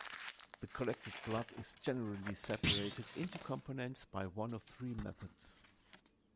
The collected blood is generally separated into components by one of three methods.